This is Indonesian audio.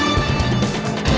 lo sudah bisa berhenti